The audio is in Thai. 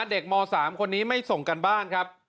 ม๓คนนี้ไม่ส่งการบ้านครับ